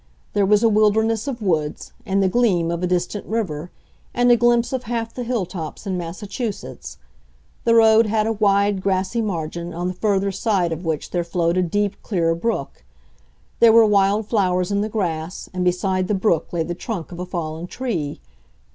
There was a wilderness of woods, and the gleam of a distant river, and a glimpse of half the hill tops in Massachusetts. The road had a wide, grassy margin, on the further side of which there flowed a deep, clear brook; there were wild flowers in the grass, and beside the brook lay the trunk of a fallen tree.